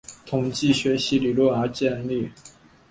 统计学习理论而建立。